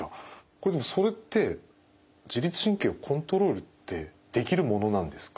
これでもそれって自律神経をコントロールってできるものなんですか？